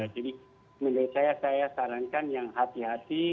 jadi menurut saya saya sarankan yang hati hati